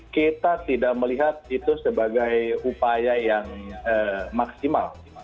kita tidak melihat itu sebagai upaya yang maksimal